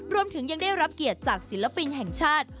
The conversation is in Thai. รวมถึงยังได้รับเกียรติจากศิลปินแห่งชาติ